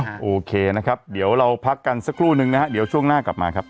โอเคนะครับเดี๋ยวเราพักกันสักครู่นึงนะฮะเดี๋ยวช่วงหน้ากลับมาครับ